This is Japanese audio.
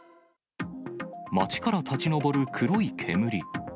町から立ち上る黒い煙。